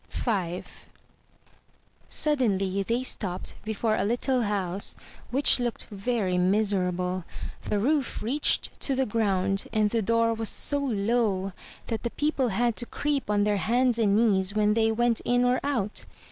V Suddenly they stopped before a little house, which looked very miserable; the roof reached to the ground and the door was so low that the people had to creep on their hands and knees when they went in or out.